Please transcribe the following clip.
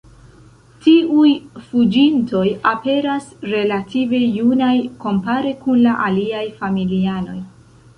Tiuj "fuĝintoj" aperas relative junaj kompare kun la aliaj familianoj.